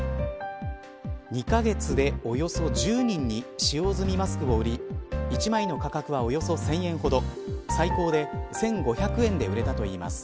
２カ月でおよそ１０人に使用済みマスクを売り１枚の価格はおよそ１０００円ほど最高で１５００円で売れたといいます。